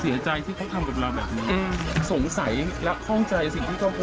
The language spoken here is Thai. เสียใจที่เขาทำกับเราแบบนี้อืมสงสัยและข้องใจสิ่งที่เขาพูด